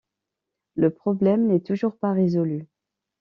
Le problème n'est toujours pas résolu.